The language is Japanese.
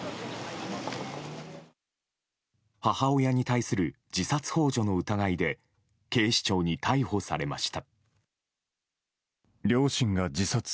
母親に対する自殺幇助の疑いで警視庁に逮捕されました。